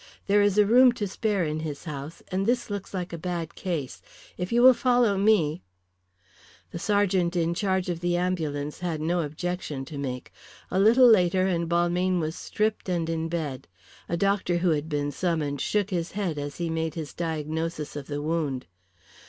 There is a room to spare in his house, and this looks like a bad case. If you will follow me " The sergeant in charge of the ambulance had no objection to make. A little later and Balmayne was stripped and in bed. A doctor who had been summoned shook his head as he made his diagnosis of the wound.